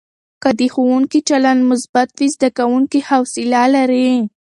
که د ښوونکي چلند مثبت وي، زده کوونکي حوصله لري.